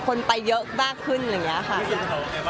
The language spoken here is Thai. ก็คือพี่ที่อยู่เชียงใหม่พี่ออธค่ะ